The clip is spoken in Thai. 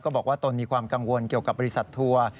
บอกว่าตนมีความกังวลเกี่ยวกับบริษัททัวร์